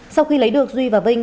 sau khi lấy được duy và vinh